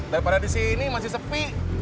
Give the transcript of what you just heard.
daripada di sini masih sepi